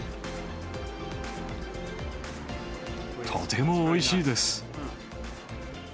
とてもおいしいです。